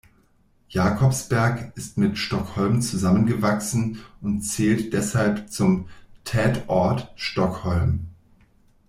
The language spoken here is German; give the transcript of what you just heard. Jakobsberg ist mit Stockholm zusammengewachsen und zählt deshalb zum "Tätort" Stockholm.